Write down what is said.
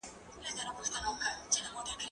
زه اجازه لرم چي شګه پاک کړم؟!